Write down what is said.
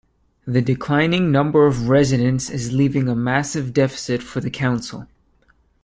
The declining number of residents is leaving a massive deficit for the council.